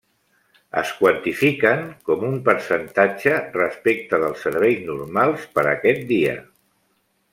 Es quantifiquen com un percentatge respecte dels serveis normals per a aquest dia.